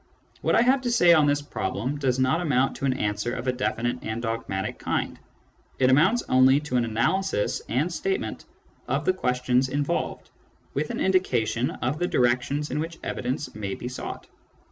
What I have to say on this problem does not amount to an answer of a definite and dogmatic kind ; it amounts only to an analysis and statement of the questions involved, with an indication of the directions in which evidence may be sought.